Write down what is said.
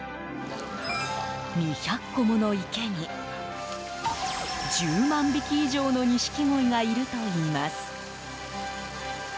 ２００個もの池に１０万匹以上のニシキゴイがいるといいます。